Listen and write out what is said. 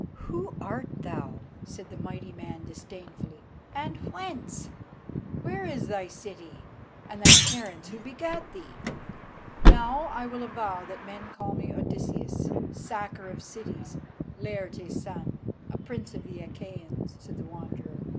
"Who art thou?" said the mighty man disdainfully, "and whence? Where is thy city, and thy parents who begat thee?" "Now I will avow that men call me Odysseus, Sacker of Cities, Laertes' son, a Prince of the Achæans," said the Wanderer.